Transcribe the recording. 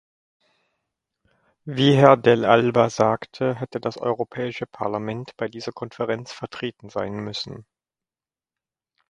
Wie Herr Dell'Alba sagte, hätte das Europäische Parlament bei dieser Konferenz vertreten sein müssen.